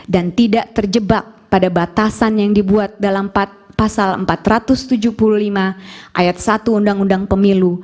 dan tidak terjebak pada batasan yang dibuat dalam pasal empat ratus tujuh puluh lima ayat satu undang undang pemilu